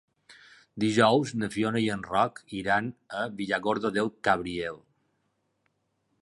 Dijous na Fiona i en Roc iran a Villargordo del Cabriel.